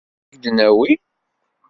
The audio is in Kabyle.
D acu ara ak-d-nawi?